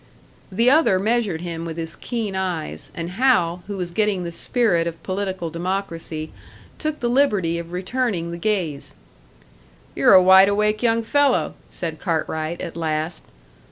The other measured him with his keen eyes; and Hal, who was getting the spirit of political democracy, took the liberty of returning the gaze. "You're a wide awake young fellow," said Cartwright, at last.